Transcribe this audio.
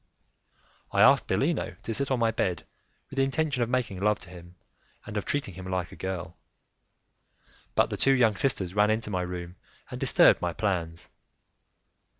I asked Bellino to sit on my bed with the intention of making love to him, and of treating him like a girl, but the two young sisters ran into my room and disturbed my plans.